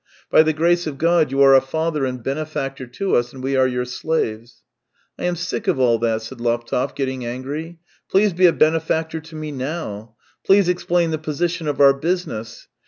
By the grace of God you are a father and benefactor to us, and we are your slaves." " I am sick of all that !" said Laptev, getting angry. " Please be a benefactor to me now. Please explain the position of our business.